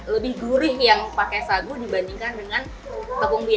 lebih gurih yang pakai sagu dibandingkan dengan tepung